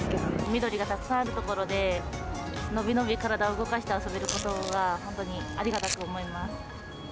緑がたくさんある所で、伸び伸び体を動かして遊べることが本当にありがたく思います。